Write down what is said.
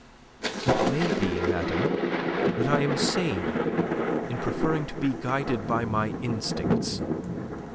"It may be, madame, that I am sane in preferring to be guided by my instincts.